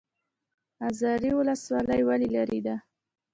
ازرې ولسوالۍ ولې لیرې ده؟